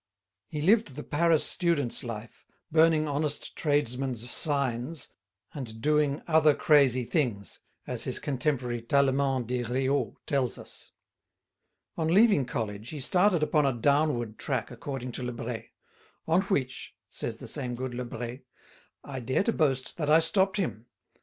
He lived the Paris student's life, burning honest tradesmen's signs and "doing other crazy things," as his contemporary Tallemant des Réaux tells us. On leaving college he started upon a downward track, according to Lebret; "on which," says the same good Lebret, "I dare to boast that I stopped him